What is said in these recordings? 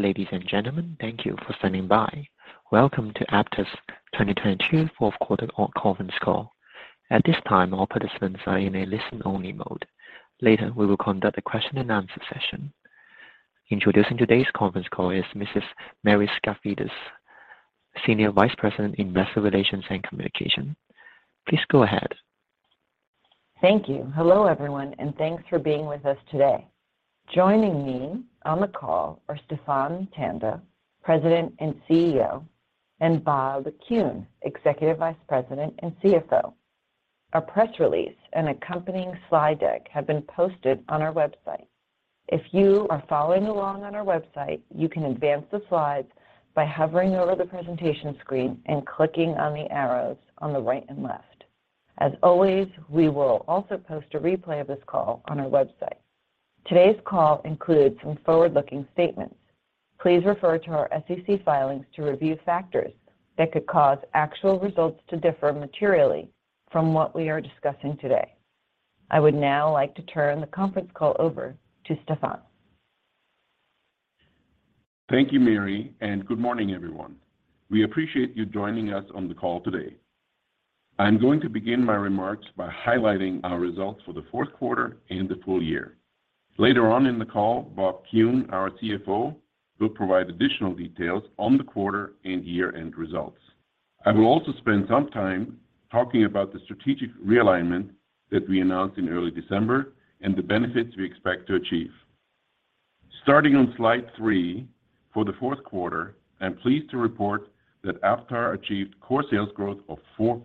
Ladies and gentlemen, thank you for standing by. Welcome to Aptar's 2022 Q4 Conference Call. At this time, all participants are in a listen-only mode. Later, we will conduct a question-and-answer session. Introducing today's Conference Call is Mrs. Mary Skafidas, Senior Vice President, Investor Relations and Communications. Please go ahead. Thank you. Hello, everyone, and thanks for being with us today. Joining me on the call are Stephan Tanda, President and CEO, and Bob Kuhn, Executive Vice President and CFO. Our press release and accompanying slide deck have been posted on our website. If you are following along on our website, you can advance the slides by hovering over the presentation screen and clicking on the arrows on the right and left. As always, we will also post a replay of this call on our website. Today's call includes some forward-looking statements. Please refer to our SEC filings to review factors that could cause actual results to differ materially from what we are discussing today. I would now like to turn the Conference Call over to Stephan. Thank you, Mary. Good morning, everyone. We appreciate you joining us on the call today. I'm going to begin my remarks by highlighting our results for the Q4 and the full-year. Later on in the call, Bob Kuhn, our CFO, will provide additional details on the quarter and year-end results. I will also spend some time talking about the strategic realignment that we announced in early December and the benefits we expect to achieve. Starting on slide 3, for the Q4, I'm pleased to report that Aptar achieved core sales growth of 4%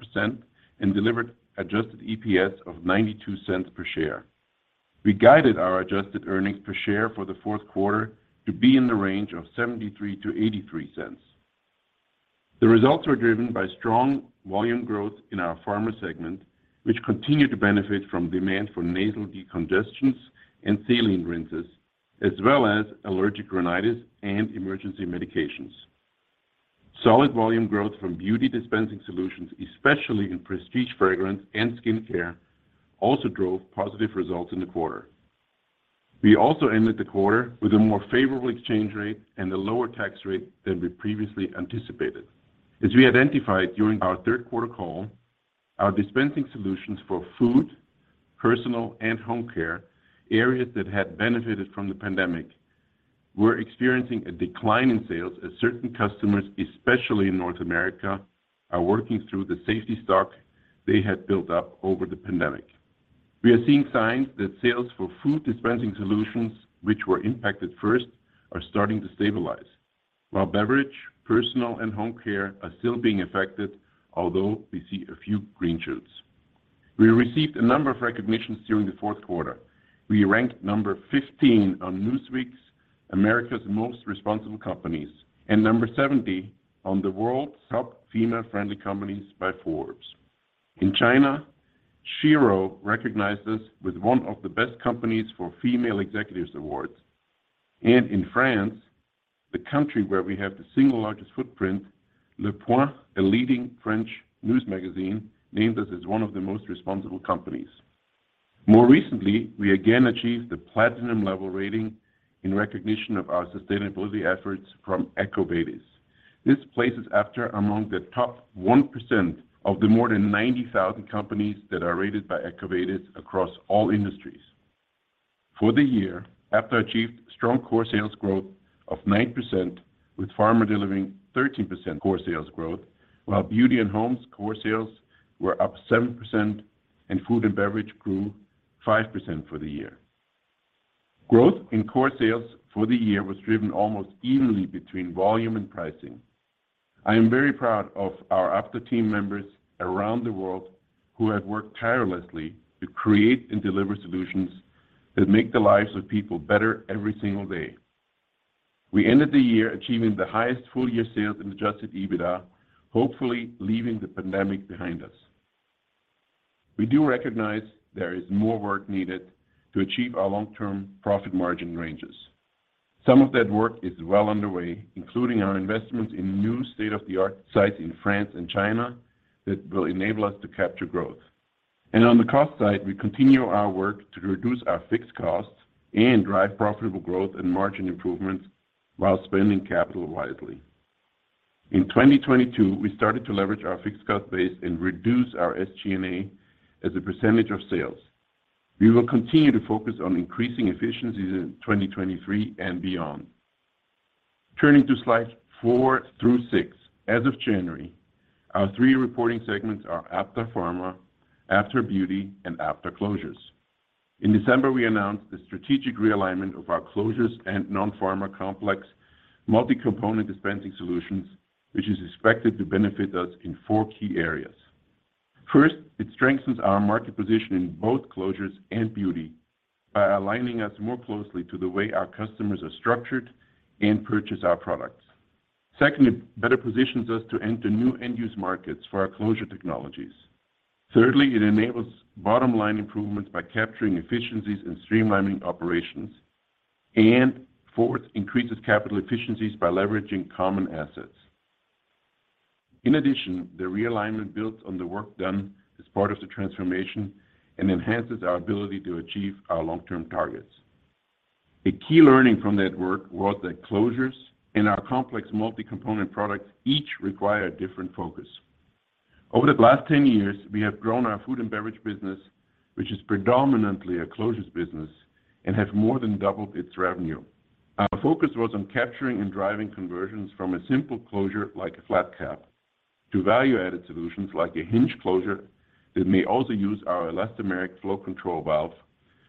and delivered adjusted EPS of $0.92 per share. We guided our adjusted earnings per share for the Q4 to be in the range of $0.73-$0.83. The results were driven by strong volume growth in our Pharma segment, which continued to benefit from demand for nasal decongestants and saline rinses, as well as allergic rhinitis and emergency medications. Solid volume growth from beauty dispensing solutions, especially in prestige fragrance and skincare, also drove positive results in the quarter. We also ended the quarter with a more favorable exchange rate and a lower tax rate than we previously anticipated. As we identified during our Q3 call, our dispensing solutions for food, personal, and home care, areas that had benefited from the pandemic, were experiencing a decline in sales as certain customers, especially in North America, are working through the safety stock they had built up over the pandemic. We are seeing signs that sales for food dispensing solutions which were impacted first are starting to stabilize. While beverage, personal, and home care are still being affected, although we see a few green shoots. We received a number of recognitions during the Q4. We ranked number 15 on Newsweek's America's Most Responsible Companies and number 70 on the World's Top Female-Friendly Companies by Forbes. In China, Shiro recognized us with one of the Best Companies for Female Executives awards. In France, the country where we have the single largest footprint, Le Point, a leading French news magazine, named us as one of the most responsible companies. More recently, we again achieved the platinum level rating in recognition of our sustainability efforts from EcoVadis. This places Aptar among the top 1% of the more than 90,000 companies that are rated by EcoVadis across all industries. For the year, Aptar achieved strong core sales growth of 9%, with Pharma delivering 13% core sales growth, while beauty and homes core sales were up 7% and food and beverage grew 5% for the year. Growth in core sales for the year was driven almost evenly between volume and pricing. I am very proud of our Aptar team members around the world who have worked tirelessly to create and deliver solutions that make the lives of people better every single day. We ended the year achieving the highest full-year sales in adjusted EBITDA, hopefully leaving the pandemic behind us. We do recognize there is more work needed to achieve our long-term profit margin ranges. Some of that work is well underway, including our investments in new state-of-the-art sites in France and China that will enable us to capture growth. On the cost side, we continue our work to reduce our fixed costs and drive profitable growth and margin improvements while spending capital wisely. In 2022, we started to leverage our fixed cost base and reduce our SG&A as a percentage of sales. We will continue to focus on increasing efficiencies in 2023 and beyond. Turning to slides 4 through 6. As of January, our 3 reporting segments are Aptar Pharma, Aptar Beauty, and Aptar Closures. In December, we announced the strategic realignment of our closures and non-Pharma complex multi-component dispensing solutions, which is expected to benefit us in 4 key areas. First, it strengthens our market position in both closures and beauty by aligning us more closely to the way our customers are structured and purchase our products. Second, it better positions us to enter new end-use markets for our closure technologies. Thirdly, it enables bottom-line improvements by capturing efficiencies and streamlining operations. Fourth, increases capital efficiencies by leveraging common assets. In addition, the realignment builds on the work done as part of the transformation and enhances our ability to achieve our long-term targets. A key learning from that work was that closures in our complex multi-component products each require a different focus. Over the last 10 years, we have grown our food and beverage business, which is predominantly a closures business, and have more than doubled its revenue. Our focus was on capturing and driving conversions from a simple closure like a flat cap to value-added solutions like a hinge closure that may also use our elastomeric flow control valve,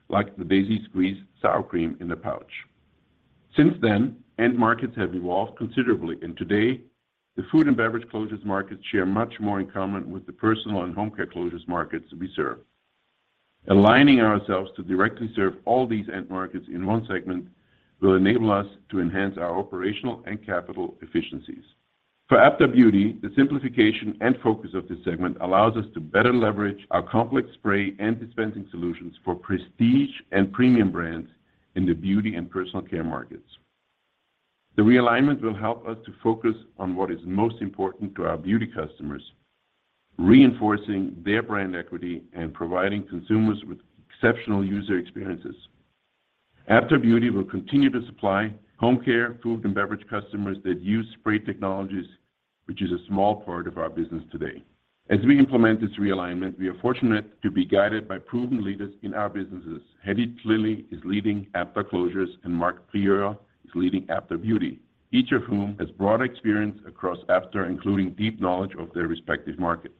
like the Daisy Squeeze sour cream in a pouch. Since then, end markets have evolved considerably, and today, the food and beverage closures markets share much more in common with the personal and home care closures markets we serve. Aligning ourselves to directly serve all these end markets in one segment will enable us to enhance our operational and capital efficiencies. For Aptar Beauty, the simplification and focus of this segment allows us to better leverage our complex spray and dispensing solutions for prestige and premium brands in the beauty and personal care markets. The realignment will help us to focus on what is most important to our beauty customers, reinforcing their brand equity and providing consumers with exceptional user experiences. Aptar Beauty will continue to supply home care, food, and beverage customers that use spray technologies, which is a small part of our business today. As we implement this realignment, we are fortunate to be guided by proven leaders in our businesses. Hedi Tlili is leading Aptar Closures and Marc Prieur is leading Aptar Beauty, each of whom has broad experience across Aptar, including deep knowledge of their respective markets.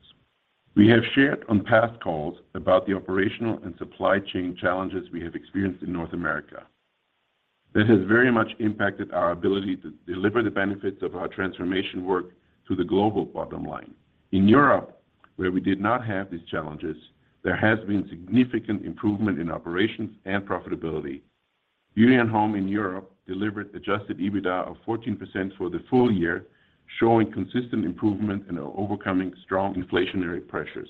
We have shared on past calls about the operational and supply chain challenges we have experienced in North America. This has very much impacted our ability to deliver the benefits of our transformation work to the global bottom line. In Europe, where we did not have these challenges, there has been significant improvement in operations and profitability. Beauty and Home in Europe delivered adjusted EBITDA of 14% for the full-year, showing consistent improvement and overcoming strong inflationary pressures.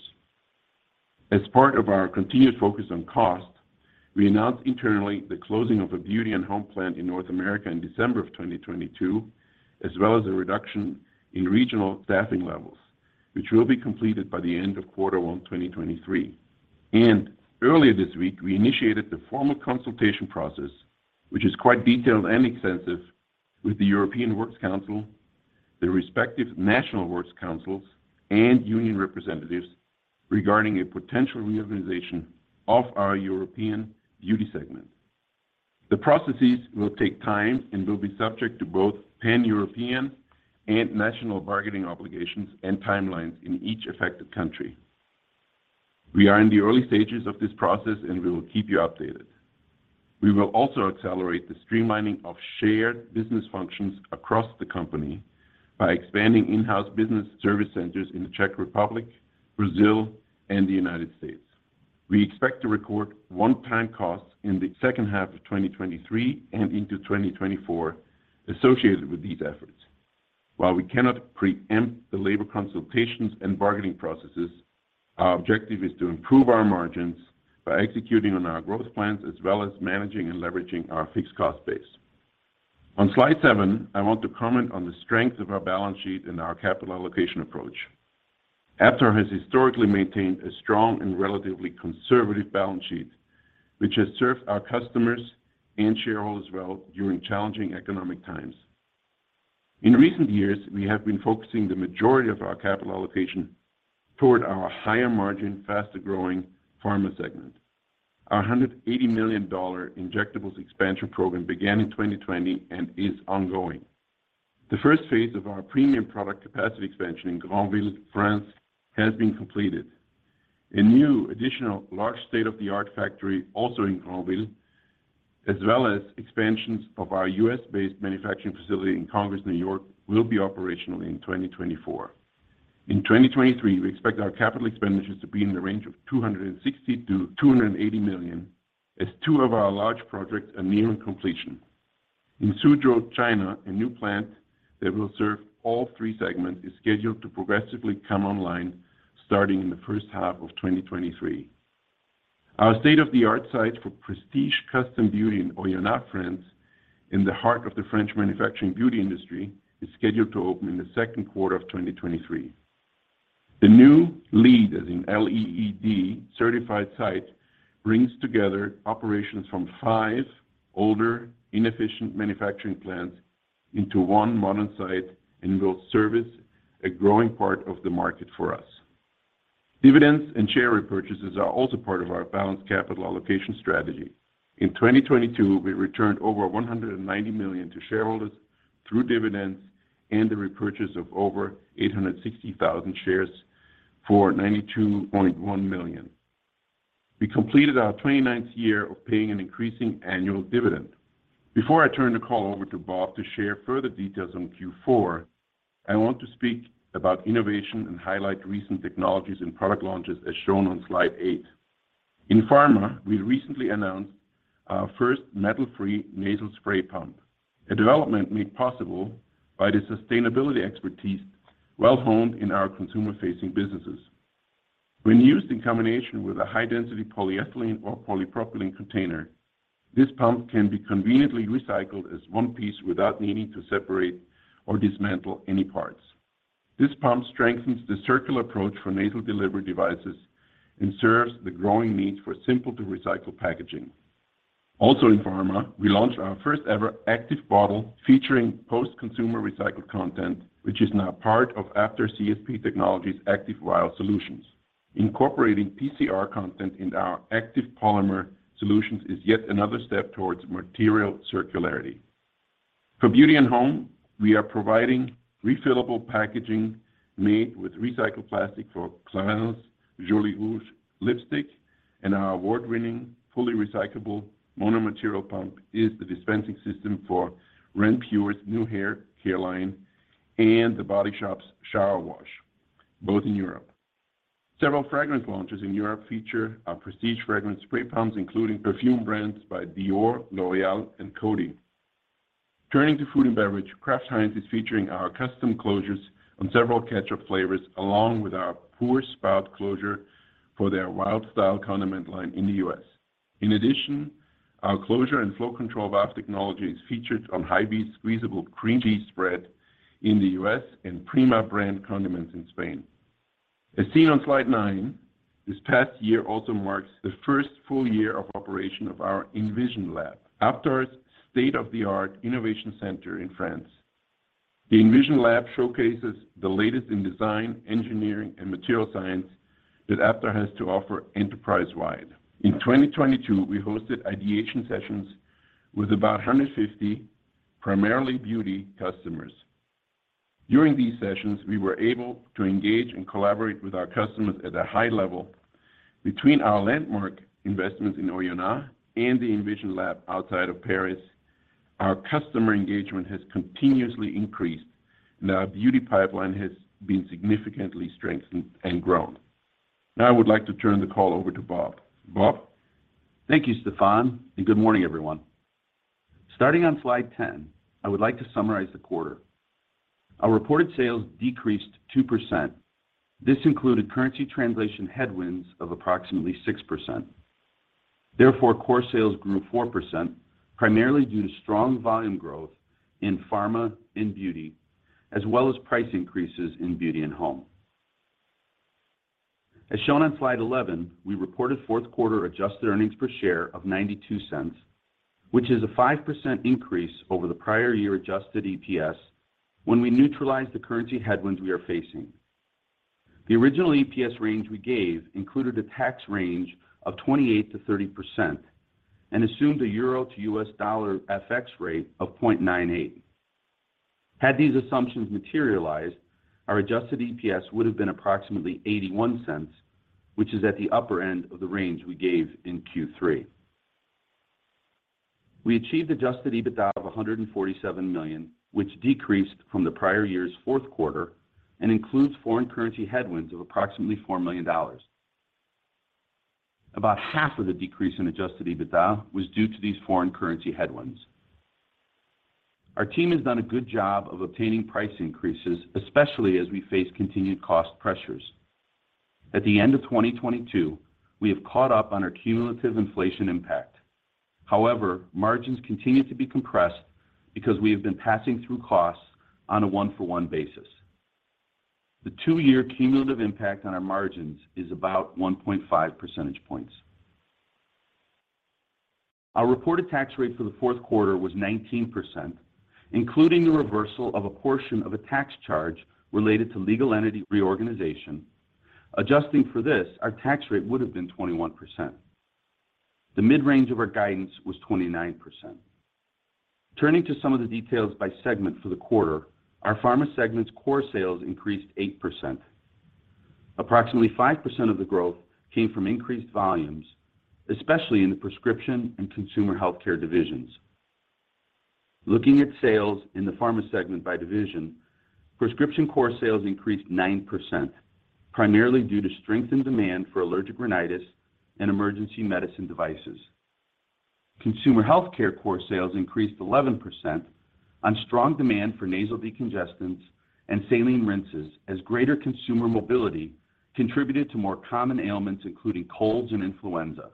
As part of our continued focus on cost, we announced internally the closing of a Beauty and Home plant in North America in December of 2022, as well as a reduction in regional staffing levels, which will be completed by the end of Q1, 2023. Earlier this week, we initiated the formal consultation process, which is quite detailed and extensive, with the European Works Council, the respective National Works Councils and union representatives regarding a potential reorganization of our European beauty segment. The processes will take time and will be subject to both Pan-European and national bargaining obligations and timelines in each affected country. We are in the early stages of this process, and we will keep you updated. We will also accelerate the streamlining of shared business functions across the company by expanding in-house business service centers in the Czech Republic, Brazil, and the United States. We expect to record one-time costs in the second half of 2023 and into 2024 associated with these efforts. While we cannot preempt the labor consultations and bargaining processes, our objective is to improve our margins by executing on our growth plans, as well as managing and leveraging our fixed cost base. On slide 7, I want to comment on the strength of our balance sheet and our capital allocation approach. Aptar has historically maintained a strong and relatively conservative balance sheet, which has served our customers and shareholders well during challenging economic times. In recent years, we have been focusing the majority of our capital allocation toward our higher margin, faster-growing Pharma segment. Our $180 million injectables expansion program began in 2020 and is ongoing. The first phase of our premium product capacity expansion in Granville, France, has been completed. A new additional large state-of-the-art factory, also in Granville, as well as expansions of our US-based manufacturing facility in Congers, New York, will be operational in 2024. In 2023, we expect our capital expenditures to be in the range of $260 million-$280 million as two of our large projects are near in completion. In Suzhou, China, a new plant that will serve all three segments is scheduled to progressively come online starting in the first half of 2023. Our state-of-the-art site for prestige custom beauty in Oyonnax, France, in the heart of the French manufacturing beauty industry, is scheduled to open in the Q2 of 2023. The new LEED, as in L-E-E-D, certified site brings together operations from 5 older, inefficient manufacturing plants into 1 modern site and will service a growing part of the market for us. Dividends and share repurchases are also part of our balanced capital allocation strategy. In 2022, we returned over $190 million to shareholders through dividends and the repurchase of over 860,000 shares for $92.1 million. We completed our 29th year of paying an increasing annual dividend. Before I turn the call over to Bob to share further details on Q4, I want to speak about innovation and highlight recent technologies and product launches as shown on slide 8. In Pharma, we recently announced our first metal-free nasal spray pump, a development made possible by the sustainability expertise well-honed in our consumer-facing businesses. When used in combination with a high-density polyethylene or polypropylene container, this pump can be conveniently recycled as one piece without needing to separate or dismantle any parts. This pump strengthens the circular approach for nasal delivery devices and serves the growing need for simple-to-recycle packaging. Also in Pharma, we launched our first-ever active bottle featuring post-consumer recycled content, which is now part of Aptar CSP Technologies active vial solutions. Incorporating PCR content in our active polymer solutions is yet another step towards material circularity. For beauty and home, we are providing refillable packaging made with recycled plastic for clients, Joli Rouge lipstick, and our award-winning, fully recyclable mono-material pump is the dispensing system for Renpure's new hair hairline and The Body Shop's shower wash, both in Europe. Several fragrance launches in Europe feature our prestige fragrance spray pumps, including perfume brands by Dior, L'Oréal and Coty. Turning to food and beverage, Kraft Heinz is featuring our custom closures on several ketchup flavors, along with our pour spout closure for their wild style condiment line in the U.S. In addition, our closure and flow control valve technology is featured on Hy-Vee's squeezable cream cheese spread in the U.S. and Prima brand condiments in Spain. As seen on slide nine, this past year also marks the first full-year of operation of our InVision Lab, Aptar's state-of-the-art innovation center in France. The InVision Lab showcases the latest in design, engineering and material science that Aptar has to offer enterprise-wide. In 2022, we hosted ideation sessions with about 150 primarily beauty customers. During these sessions, we were able to engage and collaborate with our customers at a high level. Between our landmark investments in Oyonnax and the InVision Lab outside of Paris, our customer engagement has continuously increased, and our beauty pipeline has been significantly strengthened and grown. Now I would like to turn the call over to Bob. Bob? Thank you, Stephan. Good morning, everyone. Starting on slide 10, I would like to summarize the quarter. Our reported sales decreased 2%. This included currency translation headwinds of approximately 6%. Core sales grew 4%, primarily due to strong volume growth in Pharma and beauty, as well as price increases in beauty and home. As shown on slide 11, we reported Q4 adjusted earnings per share of $0.92, which is a 5% increase over the prior year adjusted EPS when we neutralized the currency headwinds we are facing. The original EPS range we gave included a tax range of 28%-30% and assumed a euro to US dollar FX rate of 0.98. Had these assumptions materialized, our adjusted EPS would have been approximately $0.81, which is at the upper end of the range we gave in Q3. We achieved adjusted EBITDA of $147 million, which decreased from the prior year's Q4 and includes foreign currency headwinds of approximately $4 million. About half of the decrease in adjusted EBITDA was due to these foreign currency headwinds. Our team has done a good job of obtaining price increases, especially as we face continued cost pressures. At the end of 2022, we have caught up on our cumulative inflation impact. However, margins continue to be compressed because we have been passing through costs on a one-for-one basis. The two-year cumulative impact on our margins is about 1.5 percentage points. Our reported tax rate for the Q4 was 19%, including the reversal of a portion of a tax charge related to legal entity reorganization. Adjusting for this, our tax rate would have been 21%. The mid-range of our guidance was 29%. Turning to some of the details by segment for the quarter, our Pharma segment's core sales increased 8%. Approximately 5% of the growth came from increased volumes, especially in the prescription and consumer healthcare divisions. Looking at sales in the Pharma segment by division, prescription core sales increased 9%, primarily due to strengthened demand for allergic rhinitis and emergency medicine devices. Consumer healthcare core sales increased 11% on strong demand for nasal decongestants and saline rinses as greater consumer mobility contributed to more common ailments, including colds and influenza.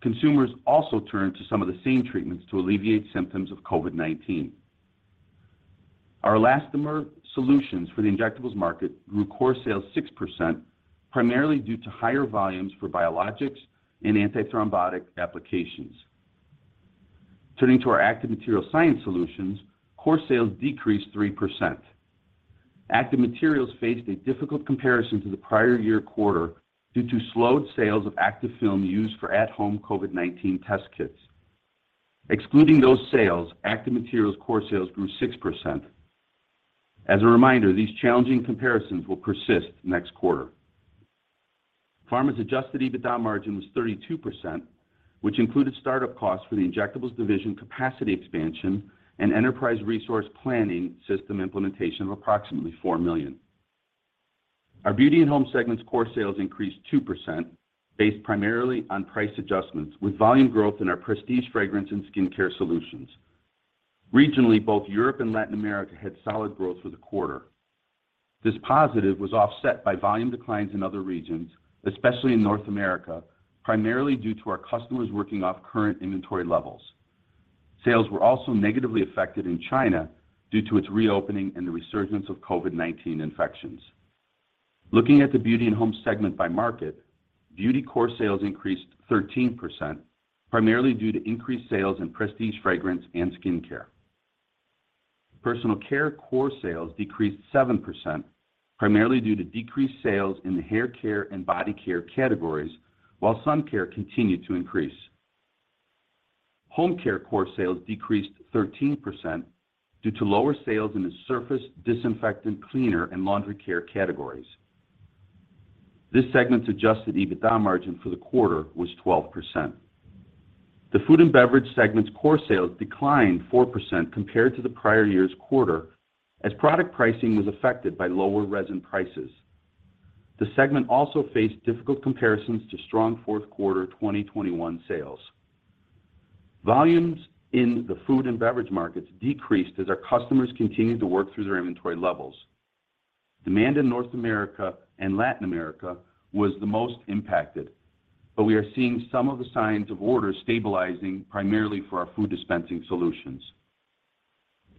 Consumers also turned to some of the same treatments to alleviate symptoms of COVID-19. Our elastomer solutions for the injectables market grew core sales 6%, primarily due to higher volumes for biologics and antithrombotic applications. Turning to our active material science solutions, core sales decreased 3%. Active materials faced a difficult comparison to the prior year quarter due to slowed sales of active film used for at-home COVID-19 test kits. Excluding those sales, active materials core sales grew 6%. As a reminder, these challenging comparisons will persist next quarter. Aptar Pharma's adjusted EBITDA margin was 32%, which included start-up costs for the injectables division capacity expansion and enterprise resource planning system implementation of approximately $4 million. Our beauty and home segment's core sales increased 2% based primarily on price adjustments with volume growth in our prestige fragrance and skincare solutions. Regionally, both Europe and Latin America had solid growth for the quarter. This positive was offset by volume declines in other regions, especially in North America, primarily due to our customers working off current inventory levels. Sales were also negatively affected in China due to its reopening and the resurgence of COVID-19 infections. Looking at the beauty and home segment by market, beauty core sales increased 13%, primarily due to increased sales in prestige, fragrance, and skincare. Personal care core sales decreased 7%, primarily due to decreased sales in the hair care and body care categories, while sun care continued to increase. Home care core sales decreased 13% due to lower sales in the surface disinfectant cleaner and laundry care categories. This segment's adjusted EBITDA margin for the quarter was 12%. The food and beverage segment's core sales declined 4% compared to the prior year's quarter as product pricing was affected by lower resin prices. The segment also faced difficult comparisons to strong fourth-quarter 2021 sales. Volumes in the food and beverage markets decreased as our customers continued to work through their inventory levels. Demand in North America and Latin America was the most impacted, but we are seeing some of the signs of orders stabilizing primarily for our food dispensing solutions.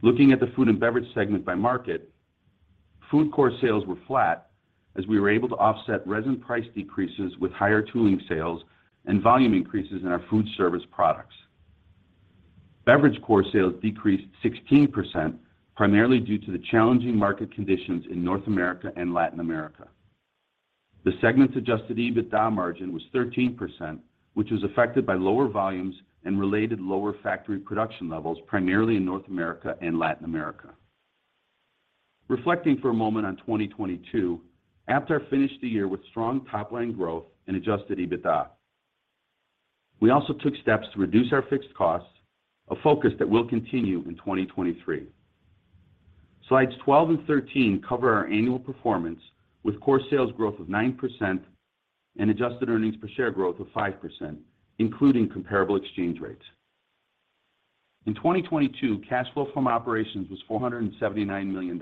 Looking at the food and beverage segment by market, food core sales were flat as we were able to offset resin price decreases with higher tooling sales and volume increases in our food service products. Beverage core sales decreased 16%, primarily due to the challenging market conditions in North America and Latin America. The segment's adjusted EBITDA margin was 13%, which was affected by lower volumes and related lower factory production levels, primarily in North America and Latin America. Reflecting for a moment on 2022, after I finished the year with strong top-line growth and adjusted EBITDA, we also took steps to reduce our fixed costs, a focus that will continue in 2023. Slides 12 and 13 cover our annual performance with core sales growth of 9% and adjusted earnings per share growth of 5%, including comparable exchange rates. In 2022, cash flow from operations was $479 million.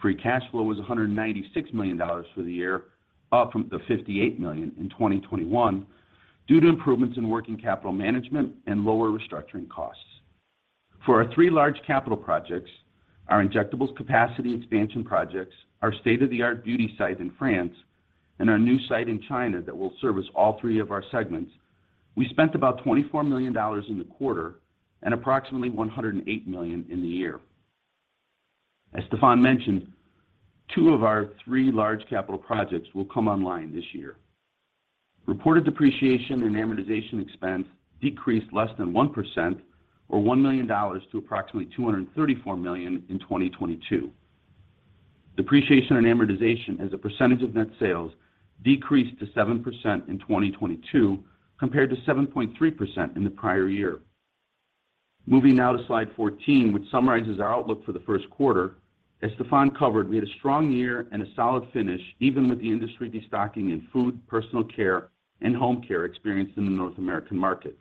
Free cash flow was $196 million for the year, up from the $58 million in 2021 due to improvements in working capital management and lower restructuring costs. For our three large capital projects, our injectables capacity expansion projects, our state-of-the-art beauty site in France, and our new site in China that will service all three of our segments, we spent about $24 million in the quarter and approximately $108 million in the year. As Stephan mentioned, two of our three large capital projects will come online this year. Reported depreciation and amortization expense decreased less than 1% or $1 million to approximately $234 million in 2022. Depreciation and amortization as a percentage of net sales decreased to 7% in 2022 compared to 7.3% in the prior year. Moving now to slide 14, which summarizes our outlook for the Q1, as Stephan covered, we had a strong year and a solid finish, even with the industry destocking in food, personal care, and home care experienced in the North American market.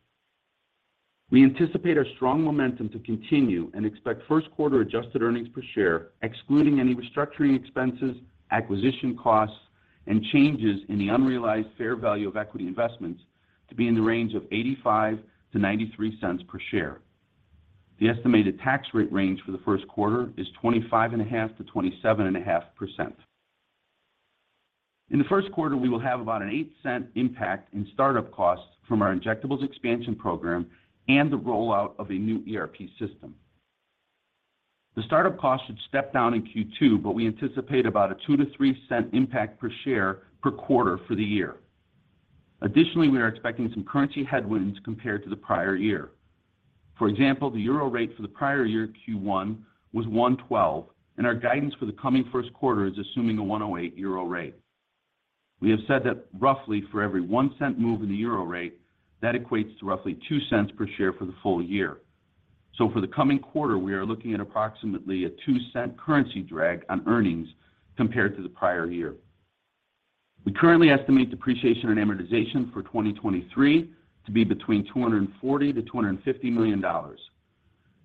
We anticipate our strong momentum to continue and expect Q1 adjusted earnings per share, excluding any restructuring expenses, acquisition costs, and changes in the unrealized fair value of equity investments to be in the range of $0.85-$0.93 per share. The estimated tax rate range for the Q1 is 25.5%-27.5%. In the Q1, we will have about a $0.08 impact in start-up costs from our injectables expansion program and the rollout of a new ERP system. The start-up costs should step down in Q2, but we anticipate about a $0.02-$0.03 impact per share per quarter for the year. Additionally, we are expecting some currency headwinds compared to the prior year. For example, the euro rate for the prior year Q1 was 1.12, and our guidance for the coming Q1 is assuming a 1.08 euro rate. We have said that roughly for every 0.01 move in the euro rate, that equates to roughly $0.02 per share for the full-year. For the coming quarter, we are looking at approximately a $0.02 currency drag on earnings compared to the prior year. We currently estimate depreciation and amortization for 2023 to be between $240 million-$250 million.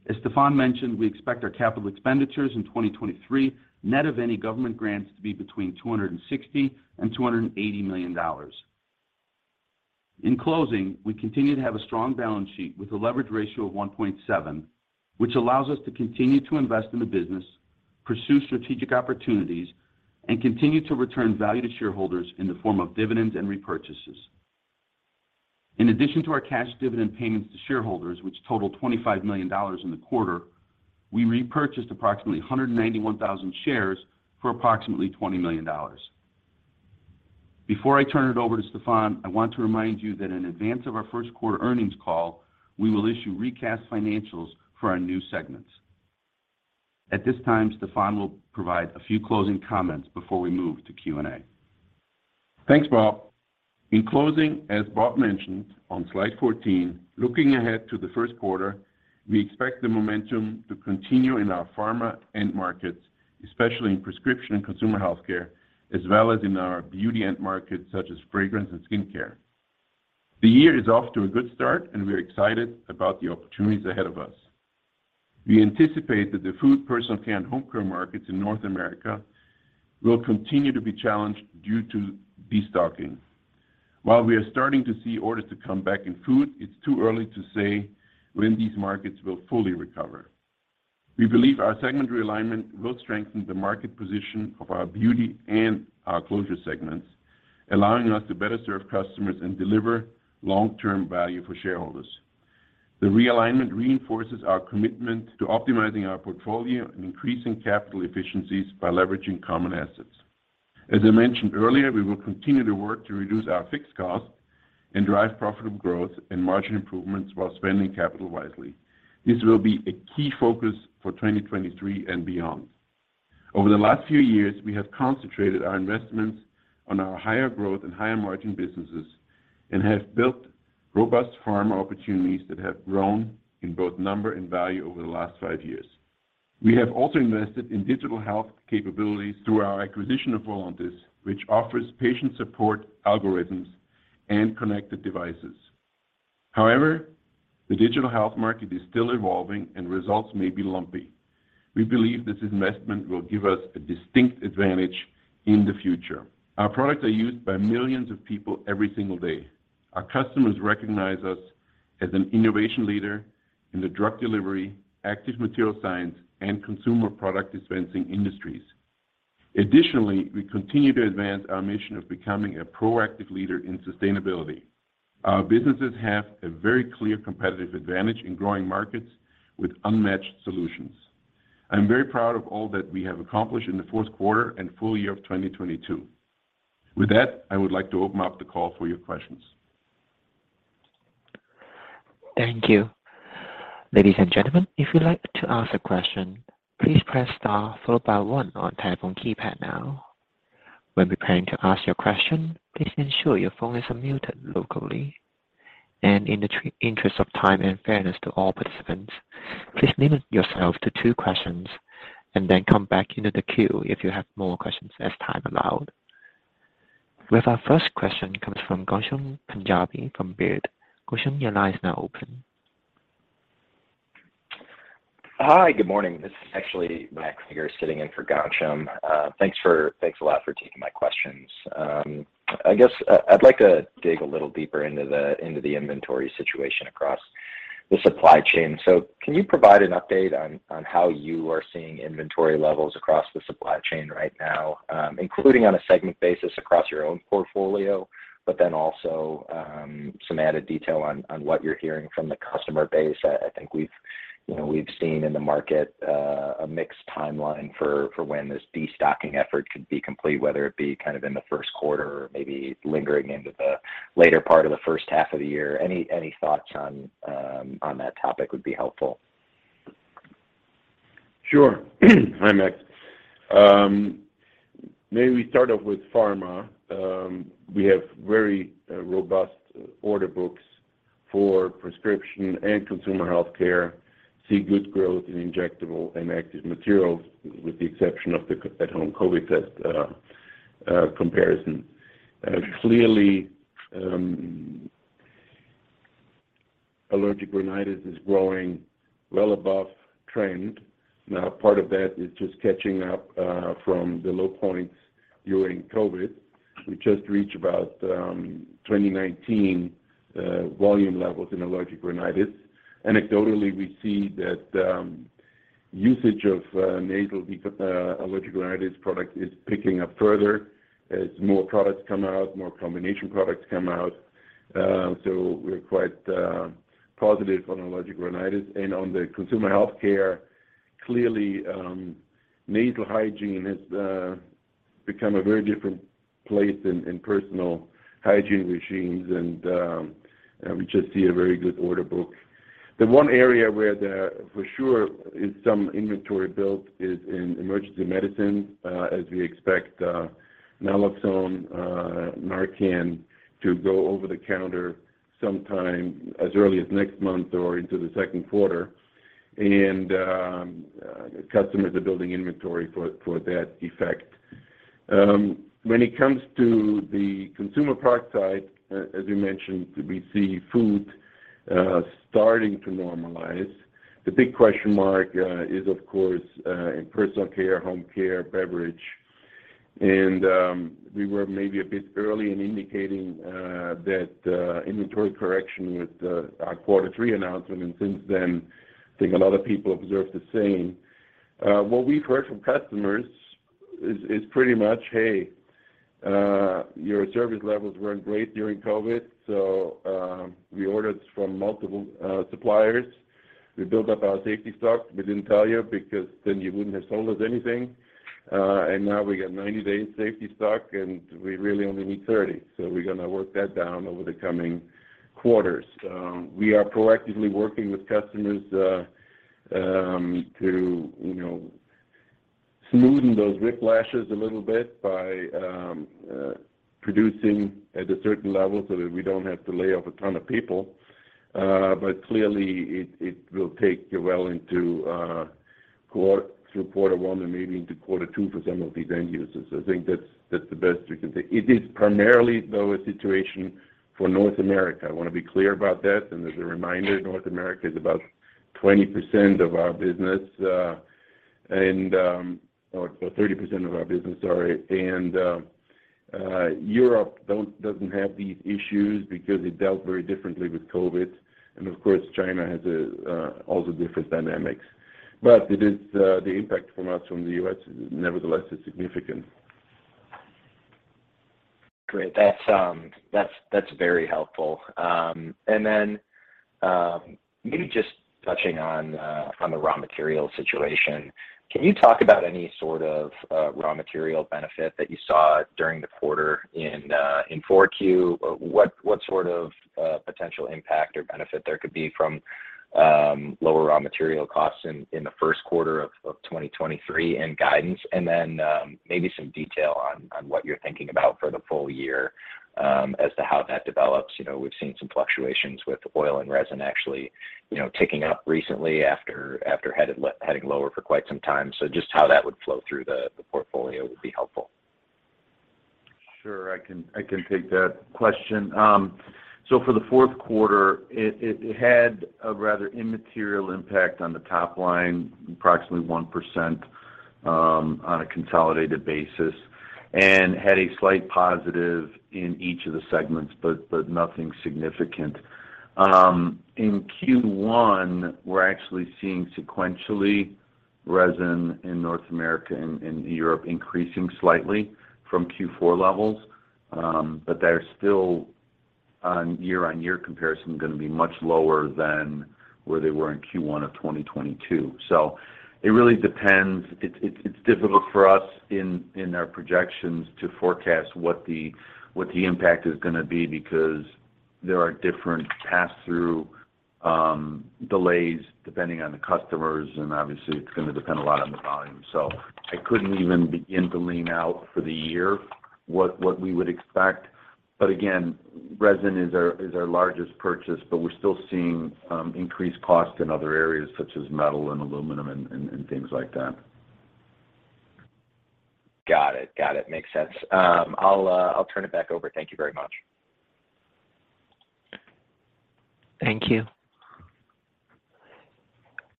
As Stefan mentioned, we expect our capital expenditures in 2023 net of any government grants to be between $260 million and $280 million. In closing, we continue to have a strong balance sheet with a leverage ratio of 1.7, which allows us to continue to invest in the business, pursue strategic opportunities, and continue to return value to shareholders in the form of dividends and repurchases. In addition to our cash dividend payments to shareholders, which totaled $25 million in the quarter, we repurchased approximately 191,000 shares for approximately $20 million. Before I turn it over to Stephan, I want to remind you that in advance of our Q1 earnings call, we will issue recast financials for our new segments. At this time, Stephan will provide a few closing comments before we move to Q&A. Thanks, Bob. In closing, as Bob mentioned on slide 14, looking ahead to the Q1, we expect the momentum to continue in our Pharma end markets, especially in prescription and consumer healthcare, as well as in our beauty end markets such as fragrance and skincare. The year is off to a good start, and we're excited about the opportunities ahead of us. We anticipate that the food, personal care, and home care markets in North America will continue to be challenged due to destocking. While we are starting to see orders to come back in food, it's too early to say when these markets will fully recover. We believe our segment realignment will strengthen the market position of our beauty and our closure segments, allowing us to better serve customers and deliver long-term value for shareholders. The realignment reinforces our commitment to optimizing our portfolio and increasing capital efficiencies by leveraging common assets. As I mentioned earlier, we will continue to work to reduce our fixed costs and drive profitable growth and margin improvements while spending capital wisely. This will be a key focus for 2023 and beyond. Over the last few years, we have concentrated our investments on our higher growth and higher margin businesses and have built robust Pharma opportunities that have grown in both number and value over the last 5 years. We have also invested in digital health capabilities through our acquisition of Voluntis, which offers patient support algorithms and connected devices. However, the digital health market is still evolving and results may be lumpy. We believe this investment will give us a distinct advantage in the future. Our products are used by millions of people every single day. Our customers recognize us as an innovation leader in the drug delivery, active material science, and consumer product dispensing industries. We continue to advance our mission of becoming a proactive leader in sustainability. Our businesses have a very clear competitive advantage in growing markets with unmatched solutions. I'm very proud of all that we have accomplished in the Q4 and full-year of 2022. With that, I would like to open up the call for your questions. Thank you. Ladies and gentlemen, if you'd like to ask a question, please press star followed by one on the telephone keypad now. When preparing to ask your question, please ensure your phone is unmuted locally. In the interest of time and fairness to all participants, please limit yourself to two questions and then come back into the queue if you have more questions as time allowed. With our first question comes from Ghansham Panjabi from Baird. Ghansham, your line is now open. Hi, good morning. This is actually Matthew Krueger sitting in for Ghansham. Thanks a lot for taking my questions. I'd like to dig a little deeper into the inventory situation across the supply chain. Can you provide an update on how you are seeing inventory levels across the supply chain right now, including on a segment basis across your own portfolio, but then also some added detail on what you're hearing from the customer base? I think we've, you know, we've seen in the market a mixed timeline for when this destocking effort could be complete, whether it be kind of in the Q1 or maybe lingering into the later part of the first half of the year. Any thoughts on that topic would be helpful. Sure. Hi, Mat. Maybe start off with Pharma. We have very robust order books for prescription and consumer healthcare, see good growth in injectable and active materials, with the exception of the at-home COVID test comparison. Clearly, allergic rhinitis is growing well above trend. Part of that is just catching up from the low points during COVID. We just reached about 2019 volume levels in allergic rhinitis. Anecdotally, we see that usage of nasal allergic rhinitis product is picking up further as more products come out, more combination products come out. We're quite positive on allergic rhinitis. On the consumer healthcare, clearly, nasal hygiene has become a very different place in personal hygiene regimes. We just see a very good order book. The one area where there for sure is some inventory built is in emergency medicine, as we expect naloxone, Narcan to go over the counter sometime as early as next month or into the Q2. Customers are building inventory for that effect. When it comes to the consumer product side, as you mentioned, we see food starting to normalize. The big question mark is of course, in personal care, home care, beverage. We were maybe a bit early in indicating that inventory correction with our quarter three announcement. Since then, I think a lot of people observed the same. What we've heard from customers is pretty much, "Hey, your service levels weren't great during COVID, so we ordered from multiple suppliers. We built up our safety stock. We didn't tell you because then you wouldn't have sold us anything. Now we got 90 days safety stock, and we really only need 30. We're gonna work that down over the coming quarters. We are proactively working with customers, you know, to smoothen those whiplashes a little bit by producing at a certain level so that we don't have to lay off a ton of people. Clearly it will take well into quarter one and maybe into quarter two for some of these end users. I think that's the best we can say. It is primarily, though, a situation for North America. I wanna be clear about that. As a reminder, North America is about 20% of our business, and... 30% of our business, sorry. Europe doesn't have these issues because it dealt very differently with COVID. Of course, China has also different dynamics. It is the impact from us from the U.S., nevertheless, is significant. Great. That's very helpful. Maybe just touching on the raw material situation. Can you talk about any sort of raw material benefit that you saw during the quarter in Q4? What sort of potential impact or benefit there could be from lower raw material costs in the Q1 of 2023 in guidance? Maybe some detail on what you're thinking about for the full-year as to how that develops. You know, we've seen some fluctuations with oil and resin actually, you know, ticking up recently after heading lower for quite some time. Just how that would flow through the portfolio would be helpful. Sure. I can take that question. For the Q4, it had a rather immaterial impact on the top line, approximately 1%, on a consolidated basis. Had a slight positive in each of the segments, but nothing significant. In Q1, we're actually seeing sequentially resin in North America and in Europe increasing slightly from Q4 levels. They're still on year-on-year comparison gonna be much lower than where they were in Q1 of 2022. It really depends. It's difficult for us in our projections to forecast what the impact is gonna be because there are different pass-through delays depending on the customers, and obviously it's gonna depend a lot on the volume. I couldn't even begin to lean out for the year what we would expect. Again, resin is our largest purchase, but we're still seeing increased costs in other areas such as metal and aluminum and things like that. Got it. Got it. Makes sense. I'll turn it back over. Thank you very much. Thank you.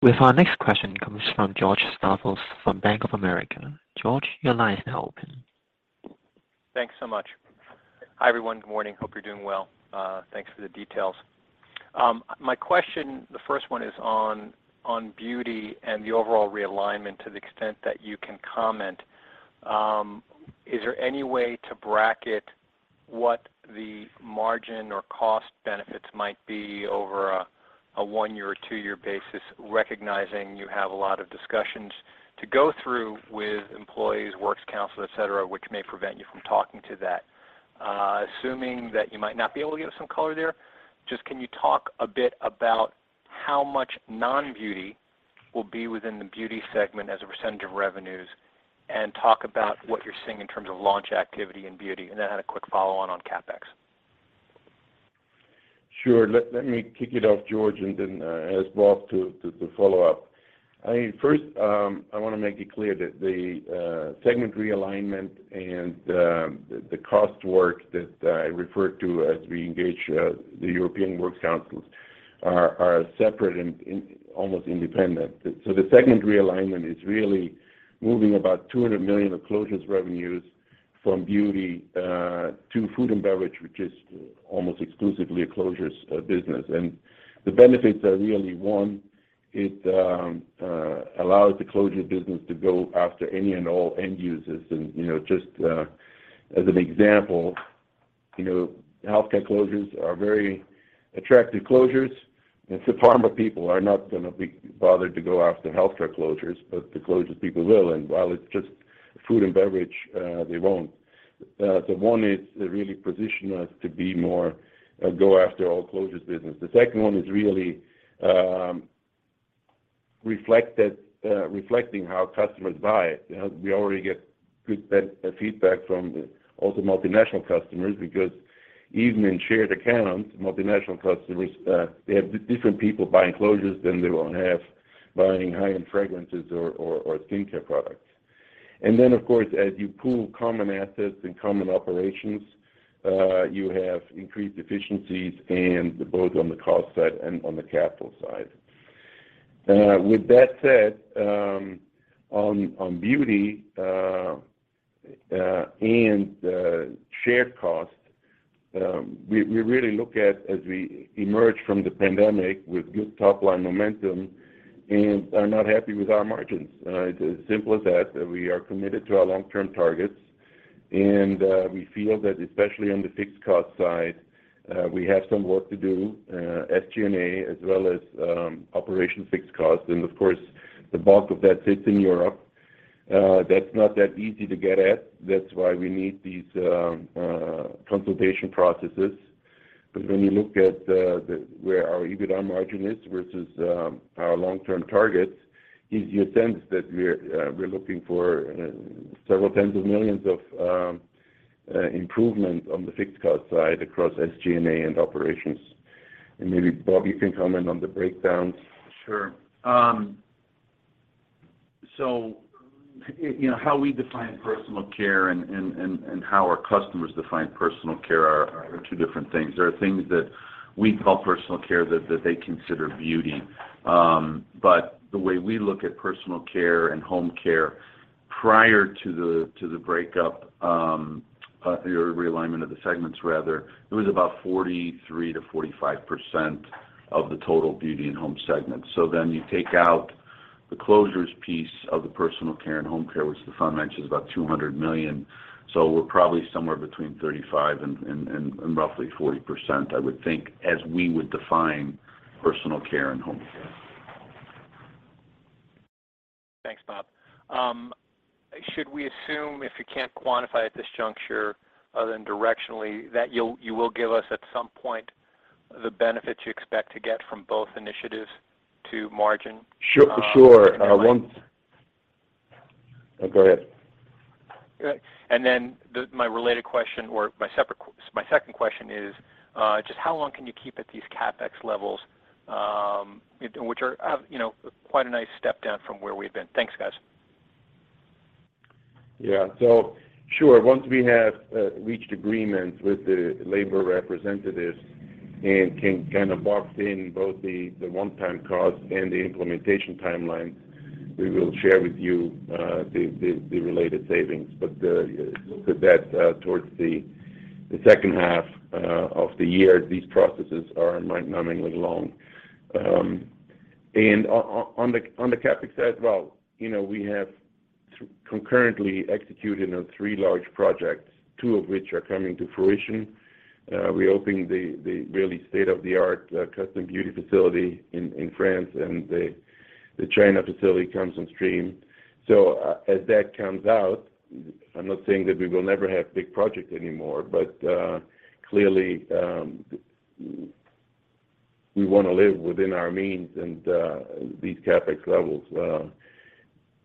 With our next question comes from George Staphos from Bank of America. George, your line is now open. Thanks so much. Hi, everyone. Good morning. Hope you're doing well. Thanks for the details. My question, the first one is on beauty and the overall realignment to the extent that you can comment. Is there any way to bracket what the margin or cost benefits might be over a 1-year or 2-year basis, recognizing you have a lot of discussions to go through with employees, Works Council, et cetera, which may prevent you from talking to that? Assuming that you might not be able to give us some color there, just can you talk a bit about how much non-beauty will be within the Beauty segment as a percentage of revenues, and talk about what you're seeing in terms of launch activity in beauty. I had a quick follow on CapEx. Sure. Let me kick it off, George, then ask Bob Kuhn to follow up. First, I wanna make it clear that the segment realignment and the cost work that I referred to as we engage the European Works Councils are separate and almost independent. The segment realignment is really moving about $200 million of Closures revenues from Beauty to food and beverage, which is almost exclusively a Closures business. The benefits are really, one, it allows the Closures business to go after any and all end users. You know, just as an example, you know, healthcare closures are very attractive closures. Pharma people are not gonna be bothered to go after healthcare closures, but the Closures people will. While it's just food and beverage, they won't. One is really position us to be more, go after all closures business. The second one is really reflecting how customers buy. You know, we already get good feedback from all the multinational customers because even in shared accounts, multinational customers, they have different people buying closures than they will have buying high-end fragrances or skincare products. Of course, as you pool common assets and common operations, you have increased efficiencies and both on the cost side and on the capital side. With that said, on beauty, and shared costs, we really look at as we emerge from the pandemic with good top-line momentum and are not happy with our margins. It's as simple as that. We are committed to our long-term targets. We feel that especially on the fixed cost side, we have some work to do, SG&A as well as operation fixed cost. Of course, the bulk of that sits in Europe. That's not that easy to get at. That's why we need these consultation processes. When you look at where our EBITDA margin is versus our long-term targets, you sense that we're looking for several tens of millions of improvement on the fixed cost side across SG&A and operations. Maybe, Bob, you can comment on the breakdowns. Sure. you know, how we define personal care and how our customers define personal care are two different things. There are things that we call personal care that they consider beauty. But the way we look at personal care and home care prior to the breakup, or realignment of the segments rather, it was about 43%-45% of the total Beauty and Home segment. You take out the Closures piece of the personal care and home care, which Stephan mentioned is about $200 million. We're probably somewhere between 35% and roughly 40%, I would think, as we would define personal care and home care. Thanks, Bob. Should we assume if you can't quantify at this juncture other than directionally, that you will give us at some point the benefits you expect to get from both initiatives to margin? Sure. Go ahead. My related question or my separate second question is just how long can you keep at these CapEx levels, which are, you know, quite a nice step down from where we've been? Thanks, guys. Sure, once we have reached agreements with the labor representatives and can kind of box in both the one-time cost and the implementation timeline, we will share with you the related savings. Look for that towards the second half of the year. These processes are mind-numbingly long. On the CapEx as well, you know, we have concurrently executed on 3 large projects, 2 of which are coming to fruition. We opened the really state-of-the-art custom beauty facility in France, the China facility comes on stream. As that comes out, I'm not saying that we will never have big projects anymore, but clearly, we wanna live within our means and these CapEx levels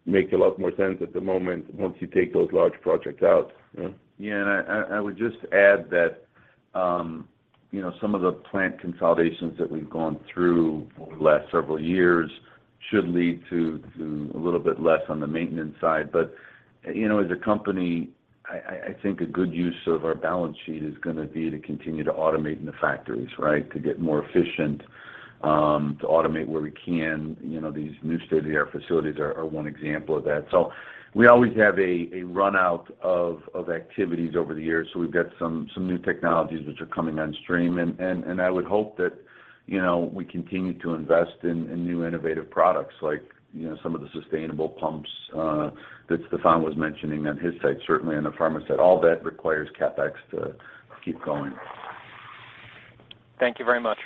make a lot more sense at the moment once you take those large projects out. Yeah. Yeah. I would just add that, you know, some of the plant consolidations that we've gone through over the last several years should lead to a little bit less on the maintenance side. You know, as a company, I think a good use of our balance sheet is gonna be to continue to automate in the factories, right? To get more efficient, to automate where we can. You know, these new state-of-the-art facilities are one example of that. We always have a run out of activities over the years. We've got some new technologies which are coming on stream. I would hope that, you know, we continue to invest in new innovative products like, you know, some of the sustainable pumps, that Stephan was mentioning on his side, certainly in the Pharma side. All that requires CapEx to keep going. Thank you very much.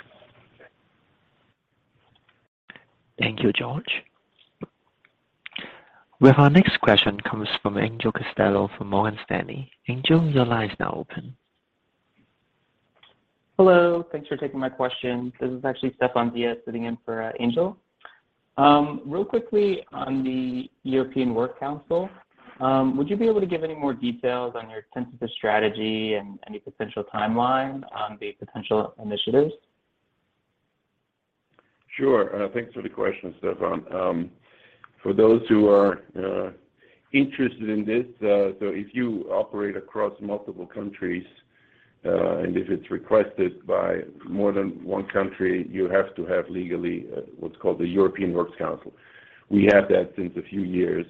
Thank you, George. Well, our next question comes from Angel Castillo from Morgan Stanley. Angel, your line is now open. Hello. Thanks for taking my question. This is actually Stephen Diaz sitting in for Angel Castillo. Real quickly on the European Works Council, would you be able to give any more details on your sense of the strategy and any potential timeline on the potential initiatives? Sure. Thanks for the question, Stephen. For those who are interested in this, if you operate across multiple countries, and if it's requested by more than one country, you have to have legally what's called the European Works Council. We have that since a few years.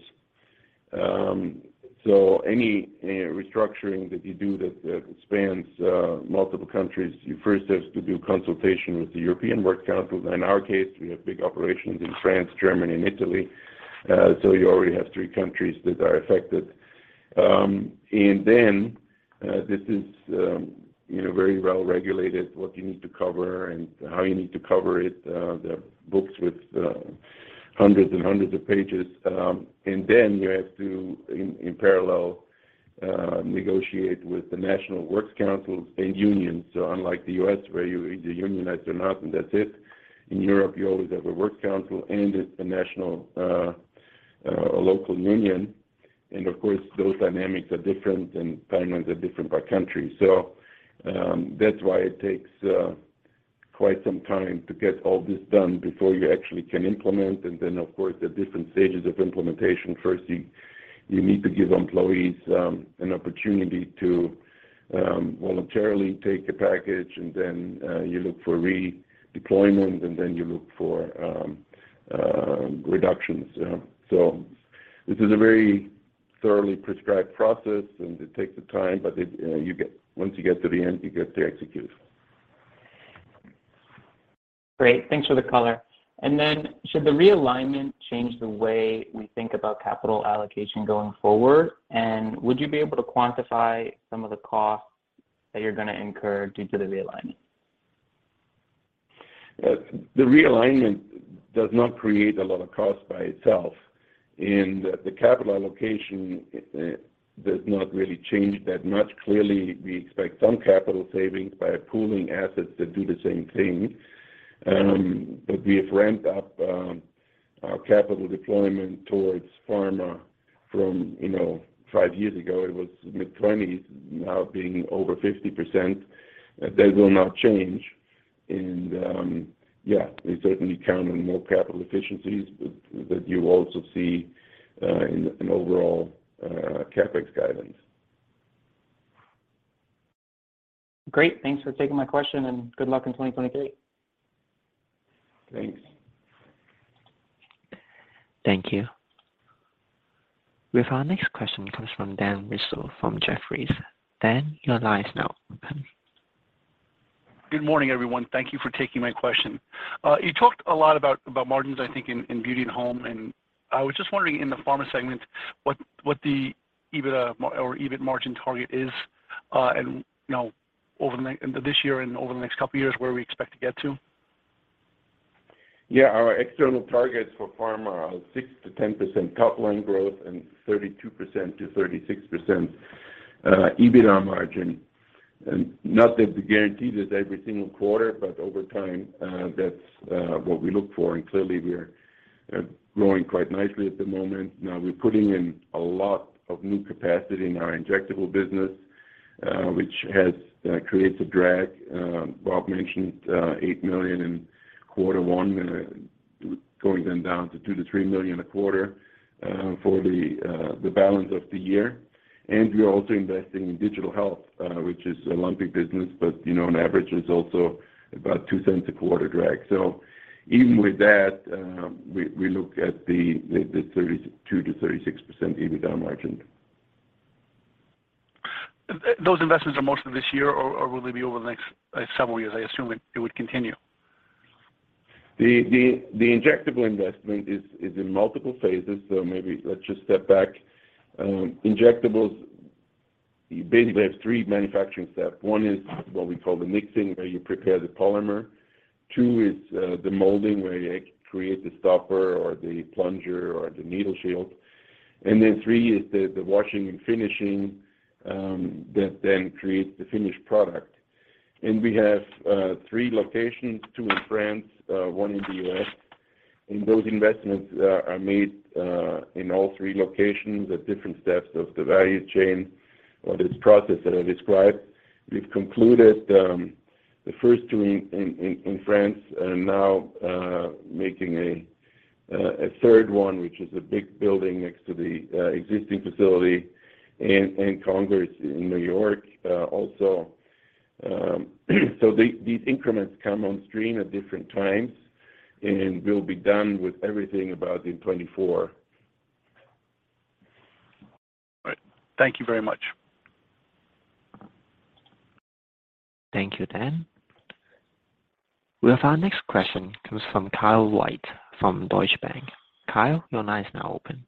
Any restructuring that you do that spans multiple countries, you first have to do consultation with the European Works Council. In our case, we have big operations in France, Germany, and Italy, you already have three countries that are affected. This is, you know, very well regulated, what you need to cover and how you need to cover it. There are books with hundreds and hundreds of pages. Then you have to, in parallel, negotiate with the National Works Council and unions. Unlike the U.S., where you either unionize or not, and that's it, in Europe, you always have a work council and it's a national, a local union. Of course, those dynamics are different and timelines are different by country. That's why it takes quite some time to get all this done before you actually can implement. Then, of course, the different stages of implementation. First, you need to give employees an opportunity to voluntarily take a package, then you look for redeployment, then you look for reductions. This is a very thoroughly prescribed process, and it takes the time, but once you get to the end, you get to execute. Great. Thanks for the color. Should the realignment change the way we think about capital allocation going forward? Would you be able to quantify some of the costs that you're going to incur due to the realignment? The realignment does not create a lot of cost by itself. The capital allocation does not really change that much. Clearly, we expect some capital savings by pooling assets that do the same thing. We have ramped up our capital deployment towards Pharma from, you know, 5 years ago, it was mid-20s, now being over 50%, that will not change. We certainly count on more capital efficiencies, but that you also see in overall CapEx guidance. Great. Thanks for taking my question, and good luck in 2023. Thanks. Thank you. With our next question comes from Daniel Rizzo from Jefferies. Dan, your line is now open. Good morning, everyone. Thank you for taking my question. You talked a lot about margins, I think, in beauty and home, and I was just wondering in the Pharma segment, what the EBITDA or EBIT margin target is, and, you know, over this year and over the next couple of years where we expect to get to? Yeah. Our external targets for Pharma are 6%-10% top-line growth and 32%-36% EBITDA margin. Not that we guarantee this every single quarter, but over time, that's what we look for. Clearly, we're growing quite nicely at the moment. We're putting in a lot of new capacity in our injectable business, which creates a drag. Bob mentioned $8 million in quarter one, going down to $2-$3 million a quarter for the balance of the year. We are also investing in digital health, which is a lumpy business, but you know, on average is also about $0.02 a quarter drag. Even with that, we look at the 32%-36% EBITDA margin. Those investments are most of this year or will they be over the next several years? I assume it would continue. The injectable investment is in multiple phases, so maybe let's just step back. Injectables, you basically have three manufacturing steps. One is what we call the mixing, where you prepare the polymer. Two is the molding, where you create the stopper or the plunger or the needle shield. Three is the washing and finishing that then creates the finished product. We have three locations, two in France, one in the U.S. Those investments are made in all three locations at different steps of the value chain or this process that I described. We've concluded the first two in France and now making a third one, which is a big building next to the existing facility in Congers, in New York, also. These increments come on stream at different times, and we'll be done with everything about in 2024. All right. Thank you very much. Thank you, Dan. With our next question comes from Kyle White from Deutsche Bank. Kyle, your line is now open.